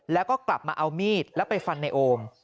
แล้วก็กลับมาเอามีดแล้วไปฟันในโอม